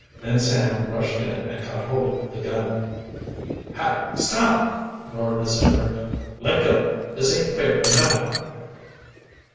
Then Sam rushed in and caught hold of the gun. "Hi, stop!" roared the sailor. "Let go! This aint fair nohow!"